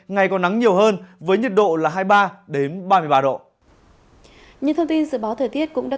ngày còn nắng nhiều hơn với nhiệt độ là hai mươi ba đến ba mươi ba độ